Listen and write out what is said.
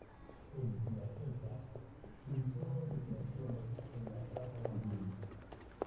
En Piacenza pintó decoraciones en la Casa Baldini.